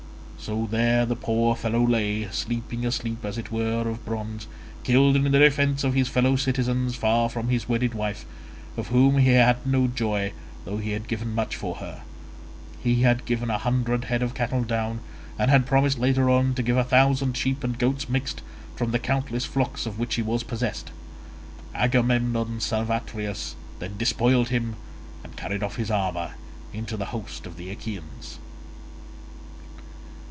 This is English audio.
So there the poor fellow lay, sleeping a sleep as it were of bronze, killed in the defence of his fellow citizens, far from his wedded wife, of whom he had had no joy though he had given much for her: he had given a hundred head of cattle down, and had promised later on to give a thousand sheep and goats mixed, from the countless flocks of which he was possessed. Agamemnon son of Atreus then despoiled him, and carried off his armour into the host of the Achaeans.